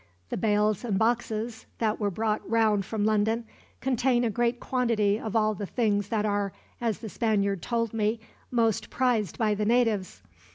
The bales and boxes, that were brought round from London, contain a great quantity of all the things that are, as the Spaniard told me, most prized by the natives.